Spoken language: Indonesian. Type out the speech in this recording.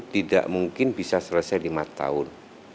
tidak mungkin bisa selesai lima tahun